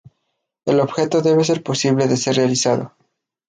El objeto debe ser posible de ser realizado.